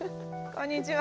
こんにちは。